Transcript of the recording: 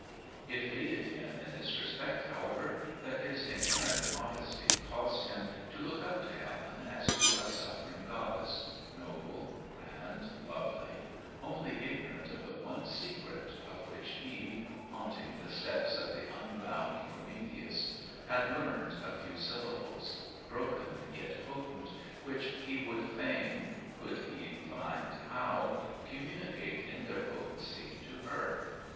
It aided him in this respect however, that his inherent modesty caused him to look up to Helen as to a suffering goddess, noble, grand, lovely, only ignorant of the one secret, of which he, haunting the steps of the Unbound Prometheus, had learned a few syllables, broken yet potent, which he would fain, could he find how, communicate in their potency to her.